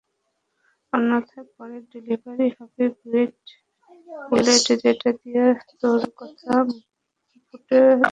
অন্যথায়, পরের ডেলিভারি হবে বুলেট যেটা দিয়ে তোর মাথা ফুটো করে দেওয়া হবে।